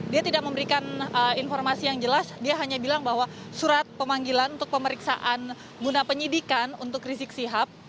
dia tidak memberikan informasi yang jelas dia hanya bilang bahwa surat pemanggilan untuk pemeriksaan guna penyidikan untuk rizik sihab